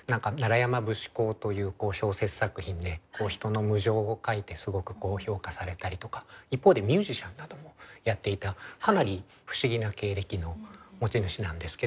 「山節考」という小説作品で人の無情を書いてすごく評価されたりとか一方でミュージシャンなどもやっていたかなり不思議な経歴の持ち主なんですけれど。